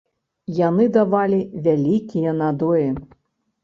Яны давалі вялікія надоі.